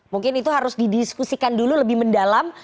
mungkin itu harus didiskusikan dulu lebih mendalam